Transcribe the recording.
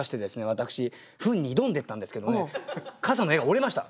私糞に挑んでったんですけどもね傘の柄が折れました。